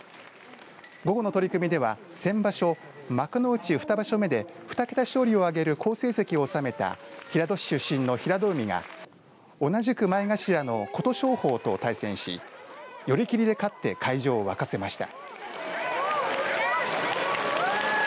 午後の取組では先場所幕内２場所目で２桁勝利を上げる好成績を収めた平戸市出身の平戸海が同じく前頭の琴勝峰と対戦し寄り切りで勝って会場を沸かせました。